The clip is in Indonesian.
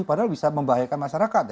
padahal bisa membahayakan masyarakat